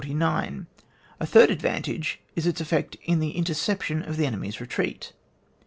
A third advantage is its effect in the interception of the enemy's retreat.